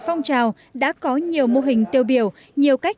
phong trào đã có nhiều mô hình tiêu biểu nhiều cách